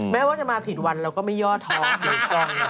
แม้ว่าจะมาผิดวันเราก็ไม่ย่อท้อค่ะ